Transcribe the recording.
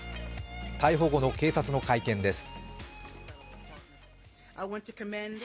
逮捕後の警察の会見です。